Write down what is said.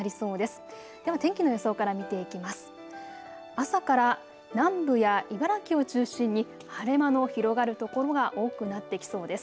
朝から南部や茨城を中心に晴れ間の広がる所が多くなってきそうです。